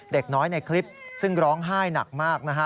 เด็กน้อยในคลิปซึ่งร้องไห้หนักมากนะฮะ